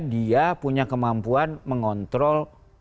dia punya kemampuan mengontrol